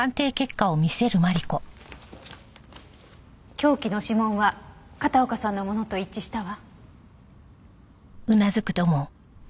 凶器の指紋は片岡さんのものと一致したわ。